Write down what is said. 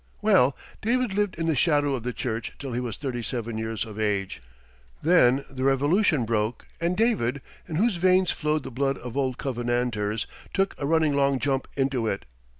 "Well David lived in the shadow of the church till he was thirty seven years of age. Then the Revolution broke, and David, in whose veins flowed the blood of old Covenanters, took a running long jump into it.